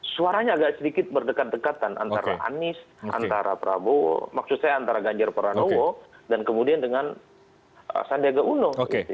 suaranya agak sedikit berdekatan antara anies antara prabowo maksud saya antara ganjar pranowo dan kemudian dengan sandiaga uno